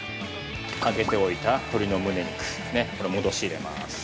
◆揚げておいた鶏のむね肉これを戻し入れます。